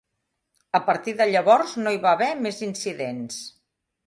A partir de llavors, no hi va haver més incidents.